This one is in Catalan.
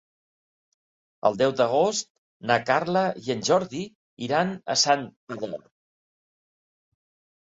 El deu d'agost na Carla i en Jordi iran a Santpedor.